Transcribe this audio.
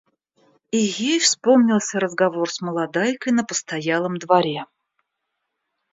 И ей вспомнился разговор с молодайкой на постоялом дворе.